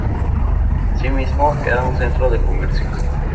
Asimismo, era un centro de comercio.